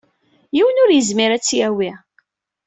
Yiwen ur yezmir ad tt-yawi.